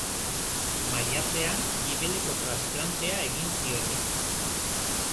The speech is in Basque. Maiatzean gibeleko transplantea egin zioten.